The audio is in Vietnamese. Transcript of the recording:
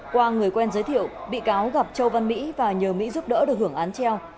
qua người quen giới thiệu bị cáo gặp châu văn mỹ và nhờ mỹ giúp đỡ được hưởng án treo